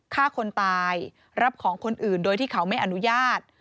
ฆ่าคนตายรับของคนอื่นโดยที่เขาไม่อนุญาต